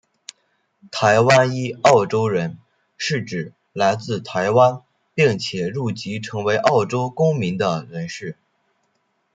台湾裔澳洲人是指来自台湾并且入籍成为澳洲公民的人士。